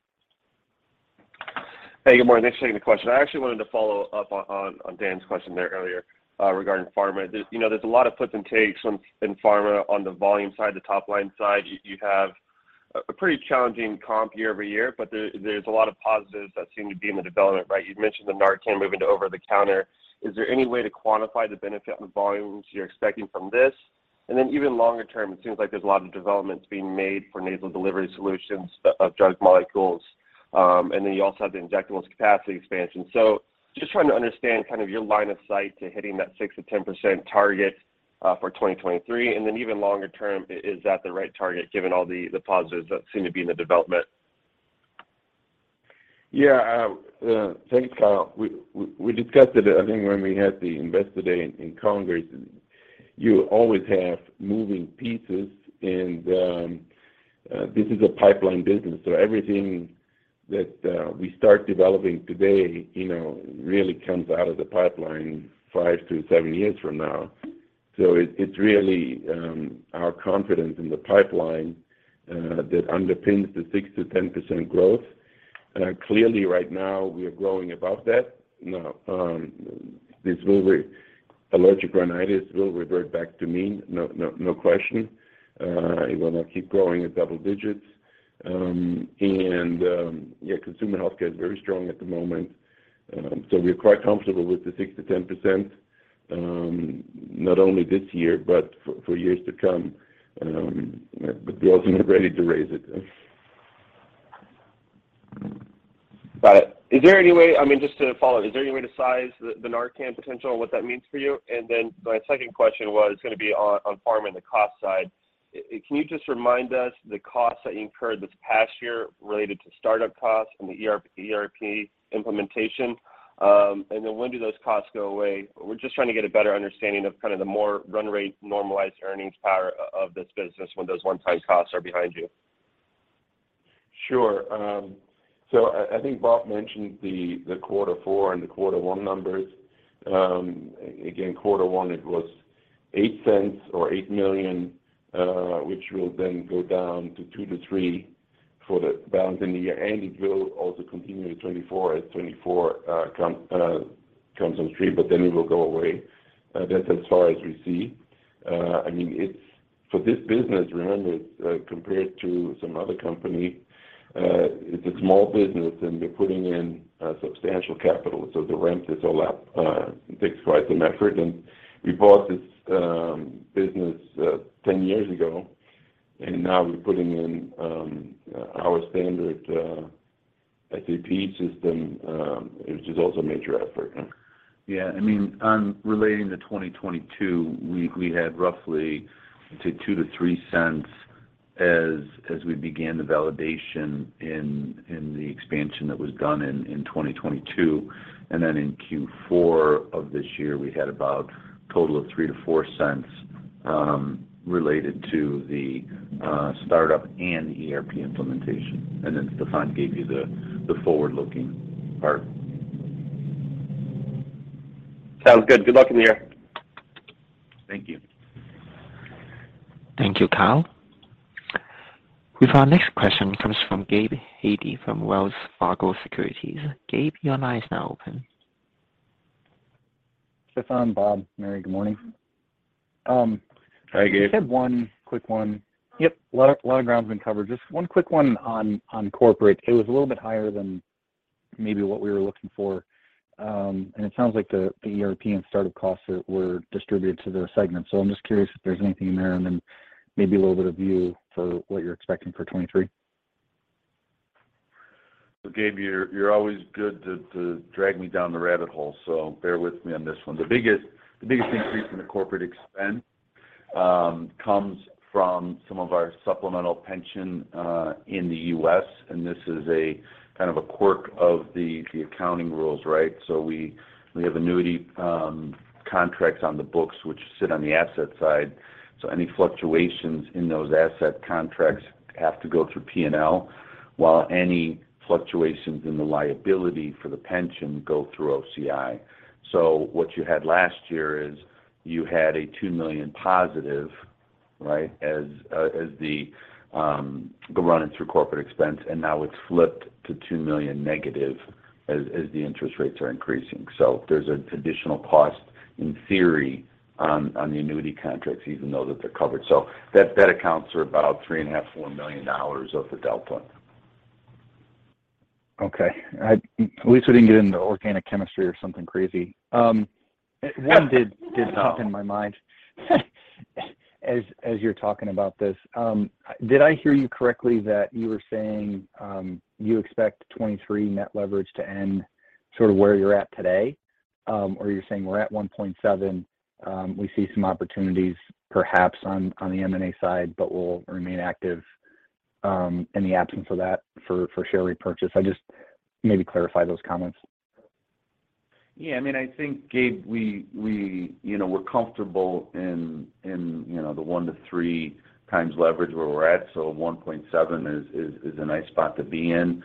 Hey, good morning. Thanks for taking the question. I actually wanted to follow up on Dan's question there earlier regarding Pharma. You know, there's a lot of puts and takes in Pharma on the volume side, the top-line side. You have a pretty challenging comp year-over-year, but there's a lot of positives that seem to be in the development, right? You've mentioned the Narcan moving to over the counter. Is there any way to quantify the benefit on the volumes you're expecting from this? Even longer term, it seems like there's a lot of developments being made for nasal delivery solutions of drug molecules. Then you also have the injectables capacity expansion. Just trying to understand kind of your line of sight to hitting that 6%-10% target for 2023. Even longer term, is that the right target, given all the positives that seem to be in the development? Thanks, Kyle. We discussed it, I think, when we had the Investor Day in Congers. You always have moving pieces and this is a pipeline business, so everything that we start developing today, you know, really comes out of the pipeline 5 to 7 years from now. So it's really our confidence in the pipeline that underpins the 6%-10% growth. Clearly right now, we are growing above that. Now, allergic rhinitis will revert back to mean, no question. It will not keep growing at double digits. Consumer healthcare is very strong at the moment. We're quite comfortable with the 6%-10%, not only this year, but for years to come. We're also not ready to raise it. Got it. Is there any way, I mean, just to follow up, is there any way to size the Narcan potential and what that means for you? My second question was gonna be on Pharma and the cost side. Can you just remind us the costs that you incurred this past year related to start-up costs and the ERP implementation? When do those costs go away? We're just trying to get a better understanding of kind of the more run-rate, normalized earnings power of this business when those one-time costs are behind you. Sure. So I think Bob mentioned the quarter four and the quarter one numbers. Again, quarter one, it was $0.08 or $8 million, which will then go down to 2 to 3 for the balance in the year. It will also continue in 2024 as 2024 comes on stream, but then it will go away. That's as far as we see. I mean, it's for this business, remember, compared to some other company, it's a small business, and we're putting in substantial capital. The ramp is all up. It takes quite an effort. We bought this business 10 years ago, and now we're putting in our standard SAP system, which is also a major effort. Yeah. I mean, on relating to 2022, we had roughly $0.02-$0.03 as we began the validation in the expansion that was done in 2022. In Q4 of this year, we had about total of $0.03-$0.04 related to the startup and ERP implementation. Stephan gave you the forward-looking part. Sounds good. Good luck in the air. Thank you. Thank you, Kyle. With our next question comes from Gabe Hajde from Wells Fargo Securities. Gabe, your line is now open. Stephan, Bob, Mary, good morning. Hi, Gabe. I just had one quick one. Yep. A lot of ground has been covered. Just one quick one on corporate. It was a little bit higher than maybe what we were looking for. It sounds like the ERP and start-up costs were distributed to their segments. I'm just curious if there's anything in there and then maybe a little bit of view for what you're expecting for 2023. Gabe, you're always good to drag me down the rabbit hole, so bear with me on this one. The biggest increase in the corporate expense comes from some of our supplemental pension in the U.S., and this is a kind of a quirk of the accounting rules, right? We have annuity contracts on the books which sit on the asset side. Any fluctuations in those asset contracts have to go through P&L, while any fluctuations in the liability for the pension go through OCI. What you had last year is you had a $2 million positive, right, as the go running through corporate expense, and now it's flipped to $2 million negative as the interest rates are increasing. There's an additional cost in theory on the annuity contracts even though that they're covered. That accounts for about $3.5-$4 million of the delta. Okay. At least we didn't get into organic chemistry or something crazy. One did pop in my mind as you're talking about this. Did I hear you correctly that you were saying, you expect 2023 net leverage to end sort of where you're at today? Or you're saying we're at 1.7, we see some opportunities perhaps on the M&A side, but we'll remain active in the absence of that for share repurchase? I just maybe clarify those comments? I mean, I think, Gabe, we, you know, we're comfortable in, you know, the 1x-3x leverage where we're at, so 1.7 is a nice spot to be in.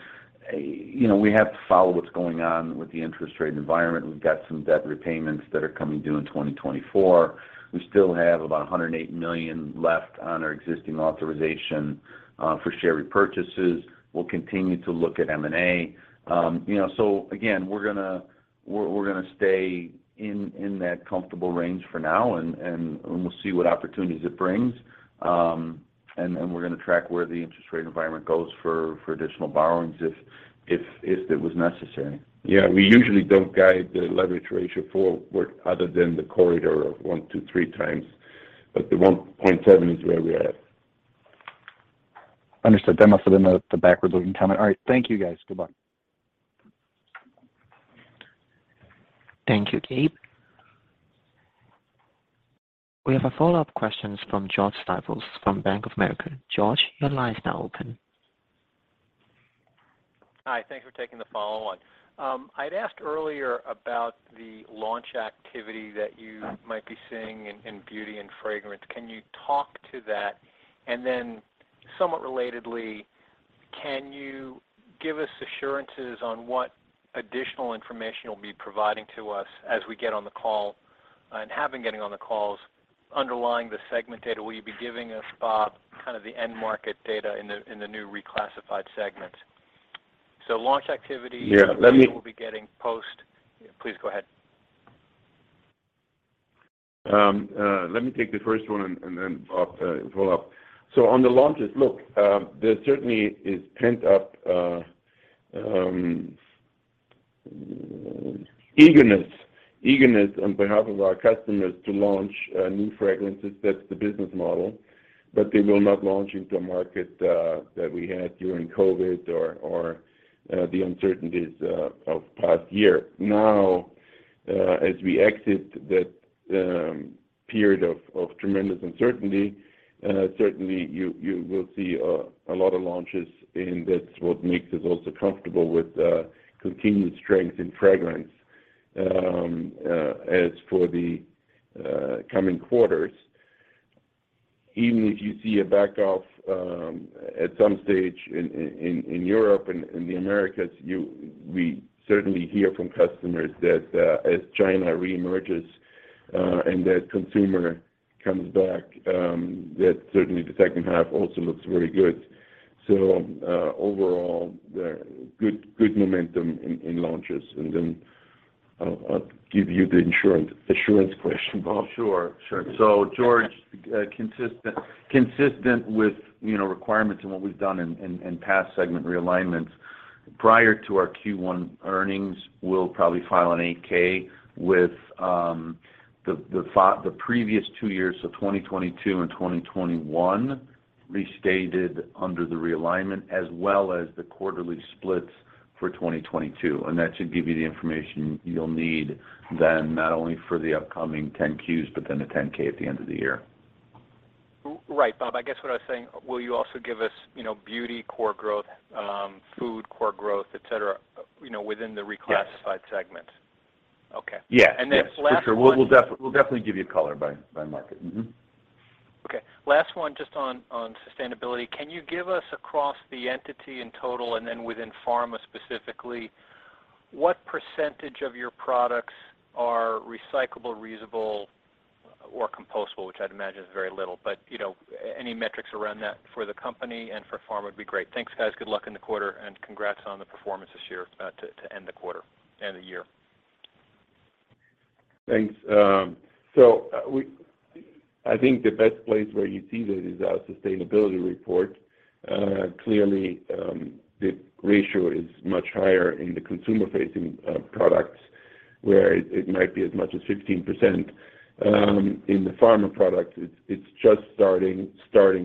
You know, we have to follow what's going on with the interest rate environment. We've got some debt repayments that are coming due in 2024. We still have about $108 million left on our existing authorization for share repurchases. We'll continue to look at M&A. Again, we're gonna stay in that comfortable range for now and we'll see what opportunities it brings. We're gonna track where the interest rate environment goes for additional borrowings if it was necessary. Yeah. We usually don't guide the leverage ratio forward other than the corridor of 1 to 3 times, but the 1.7 is where we're at. Understood. That might have been the backwards-looking comment. All right. Thank you, guys. Goodbye. Thank you, Gabe. We have a follow-up questions from George Staphos from Bank of America. George, your line is now open. Hi. Thank you for taking the follow-on. I'd asked earlier about the launch activity that you might be seeing in beauty and fragrance. Can you talk to that? Then somewhat relatedly, can you give us assurances on what additional information you'll be providing to us as we get on the call, and have been getting on the calls underlying the segment data? Will you be giving us, Bob, kind of the end market data in the, in the new reclassified segments? Launch activity. Yeah, let me- Please go ahead. Let me take the first one and then Bob follow up. On the launches, look, there certainly is pent-up eagerness on behalf of our customers to launch new fragrances. That's the business model. They will not launch into a market that we had during COVID or the uncertainties of past year. As we exit that period of tremendous uncertainty, certainly you will see a lot of launches, and that's what makes us also comfortable with continued strength in fragrance. As for the coming quarters, even if you see a back off at some stage in Europe and the Americas, we certainly hear from customers that as China reemerges and that consumer comes back, that certainly the second half also looks very good. Overall, the good momentum in launches. I'll give you the assurance question, Bob. Sure. Sure. George, consistent with, you know, requirements and what we've done in past segment realignments, prior to our Q1 earnings, we'll probably file an 8-K with the previous two years of 2022 and 2021 restated under the realignment as well as the quarterly splits. For 2022. That should give you the information you'll need then, not only for the upcoming 10-Qs, but then the 10-K at the end of the year. Right, Bob. I guess what I was saying, will you also give us, you know, Beauty core growth, food core growth, et cetera, you know, within the reclassified. Yes. segments? Okay. Yes. Yes. Last one. For sure. We'll definitely give you color by market. Mm-hmm. Okay, last one, just on sustainability. Can you give us across the entity in total, and then within Pharma specifically, what % of your products are recyclable, reusable, or compostable? Which I'd imagine is very little, but, you know, any metrics around that for the company and for Pharma would be great. Thanks, guys. Good luck in the quarter, and congrats on the performance this year, to end the quarter and the year. Thanks. I think the best place where you see that is our sustainability report. Clearly, the ratio is much higher in the consumer-facing products, where it might be as much as 15%. In the Pharma products, it's just starting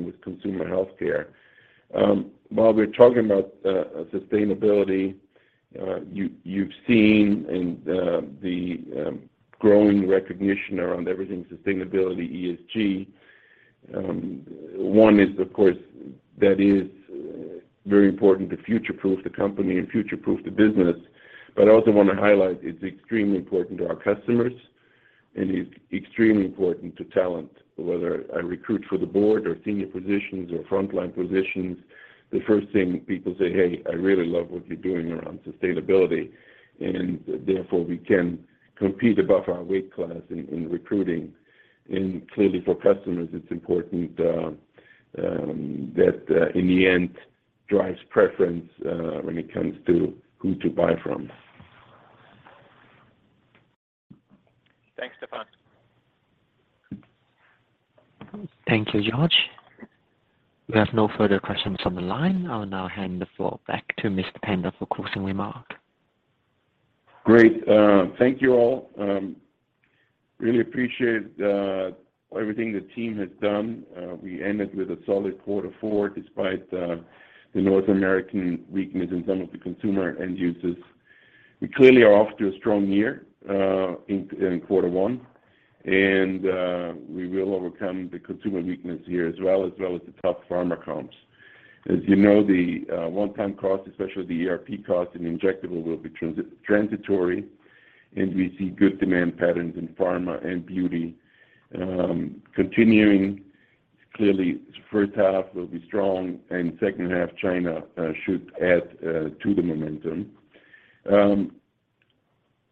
with consumer healthcare. While we're talking about sustainability, you've seen the growing recognition around everything sustainability, ESG. One is of course that is very important to future-proof the company and future-proof the business, but I also wanna highlight it's extremely important to our customers and it's extremely important to talent. Whether I recruit for the board or senior positions or frontline positions, the first thing people say, "Hey, I really love what you're doing around sustainability." Therefore we can compete above our weight class in recruiting. Clearly for customers, it's important that in the end drives preference when it comes to who to buy from. Thanks, Stephan. Thank you, George. We have no further questions on the line. I'll now hand the floor back to Stephan Tanda for closing remark. Great. Thank you all. Really appreciate everything the team has done. We ended with a solid quarter four despite the North American weakness in some of the consumer end uses. We clearly are off to a strong year in quarter one, and we will overcome the consumer weakness here as well, as well as the top Pharma comps. As you know, the one-time cost, especially the ERP cost in injectable will be transitory, and we see good demand patterns in Pharma and beauty continuing. Clearly, this first half will be strong, and the second half, China should add to the momentum.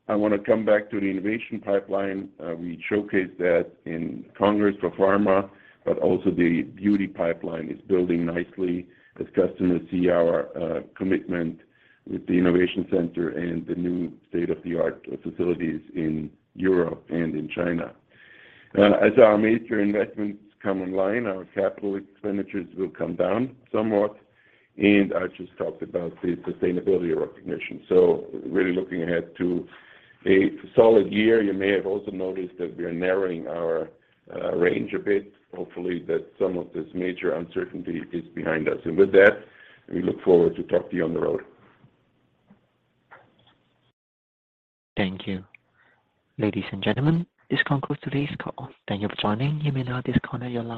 I wanna come back to the innovation pipeline. We showcased that in Congers for Pharma, but also the beauty pipeline is building nicely as customers see our commitment with the innovation center and the new state-of-the-art facilities in Europe and in China. As our major investments come online, our capital expenditures will come down somewhat, and I just talked about the sustainability recognition. Really looking ahead to a solid year. You may have also noticed that we are narrowing our range a bit, hopefully that some of this major uncertainty is behind us. With that, we look forward to talk to you on the road. Thank you. Ladies and gentlemen, this concludes today's call. Thank you for joining. You may now disconnect your line.